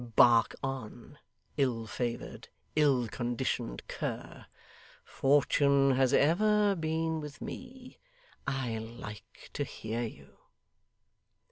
Bark on, ill favoured, ill conditioned cur; fortune has ever been with me I like to hear you.